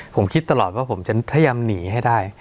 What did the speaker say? ผมคิดตลอดว่าผมจะพยายามหนีให้ได้